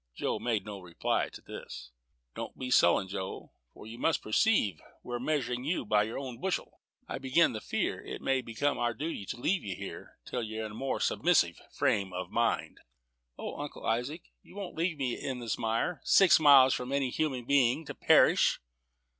Joe made no reply to this. "Don't be sullen, Joe, for you must perceive we're measuring you by your own bushel. I begin to fear it may become our duty to leave you here till you're in a more submissive frame of mind." "O, Uncle Isaac, you won't leave me in this mire, six miles from any human being, to perish?"